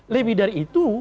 tapi dari itu